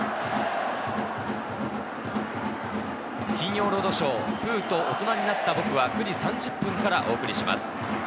『金曜ロードショー』、『プーと大人になった僕』は９時３０分からお送りします。